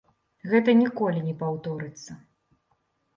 Гэта ніколі не паўторыцца.